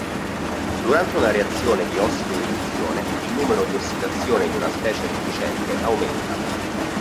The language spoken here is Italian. Durante una reazione di ossidoriduzione, il numero di ossidazione di una specie riducente aumenta.